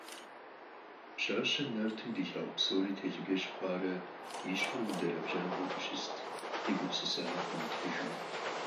Пщащэм нартым дилъагъу псори телъыджэ щыхъуарэ и щхьэр ундэрэбжьам хуэдэу щыст, и гупсысэхэм хуимытыжу.